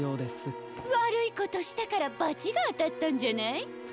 わるいことしたからバチがあたったんじゃない？